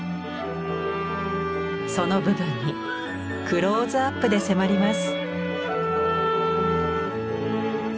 その部分にクローズアップで迫ります。